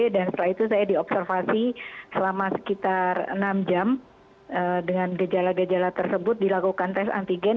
dan setelah itu saya diobservasi selama sekitar enam jam dengan gejala gejala tersebut dilakukan tes antigen